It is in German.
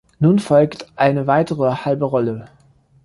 Nun folgt eine weitere halbe Rolle.